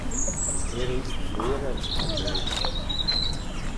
Er ist Lehrer von Beruf.